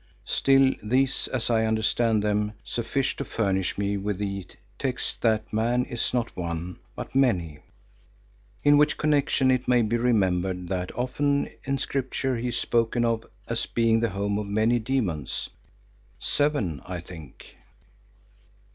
Still these, as I understand them, suffice to furnish me with the text that man is not one, but many, in which connection it may be remembered that often in Scripture he is spoken of as being the home of many demons, seven, I think.